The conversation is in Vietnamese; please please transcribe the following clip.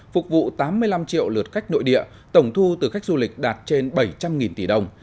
phục vụ tám mươi năm triệu lượt khách nội địa tổng thu từ khách du lịch đạt trên bảy trăm linh tỷ đồng